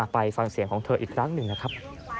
ไปฟังเสียงของเธออีกครั้งหนึ่งนะครับ